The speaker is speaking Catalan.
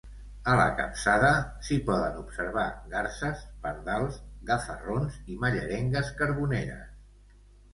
A la capçada, s'hi poden observar garses, pardals, gafarrons i mallerengues carboneres.